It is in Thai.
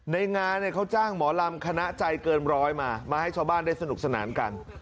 ในงานเขาจ้างหมอลำคณะใจเกินร้อยมามาให้ชาวบ้านได้สนุกสนานกัน